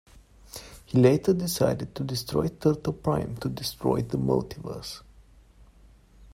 He later decided to destroy Turtle-Prime to destroy the multiverse.